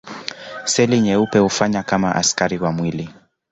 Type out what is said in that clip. Seli nyeupe hufanya kama askari wa mwili.